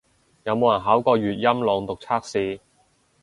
有冇人考過粵音朗讀測試